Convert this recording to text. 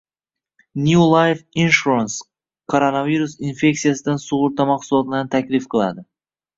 New Life Insurance koronavirus infektsiyasidan sug'urta mahsulotlarini taklif qiladi